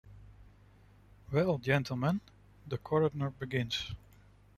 "Well, gentlemen —" the coroner begins.